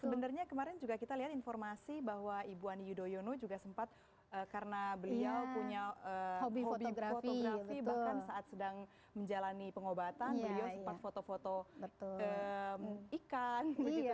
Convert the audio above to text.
sebenarnya kemarin juga kita lihat informasi bahwa ibu ani yudhoyono juga sempat karena beliau punya hobi fotografi bahkan saat sedang menjalani pengobatan beliau sempat foto foto ikan